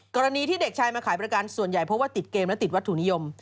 กรณีที่เด็กชายมาขายบริการส่วนใหญ่เพราะว่าติดเกมและติดวัตถุนิยม